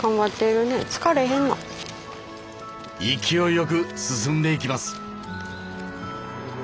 勢いよく進んでいきます。